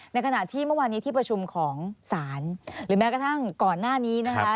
ในขณะที่เมื่อวานนี้ที่ประชุมของศาลหรือแม้กระทั่งก่อนหน้านี้นะคะ